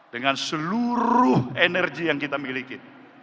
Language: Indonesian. dengan seluruh energi yang kita miliki